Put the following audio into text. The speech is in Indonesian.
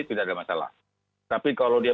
tidak ada masalah tapi kalau dia